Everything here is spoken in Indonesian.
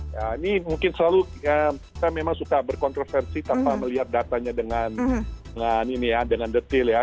ya ini mungkin selalu kita memang suka berkontroversi tanpa melihat datanya dengan detail ya